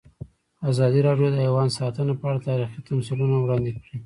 ازادي راډیو د حیوان ساتنه په اړه تاریخي تمثیلونه وړاندې کړي.